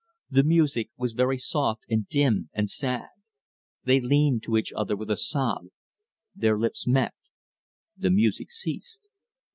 The music was very soft and dim and sad. They leaned to each other with a sob. Their lips met. The music ceased.